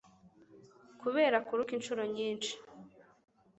kubera kuruka inshuro nyinshi